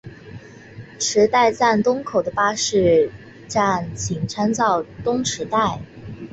池袋站东口的巴士站请参照东池袋。